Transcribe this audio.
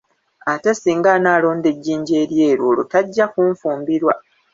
Ate singa anaalonda ejjinja eryeru olwo tajja kunfumbirwa.